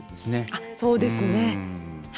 あそうですね。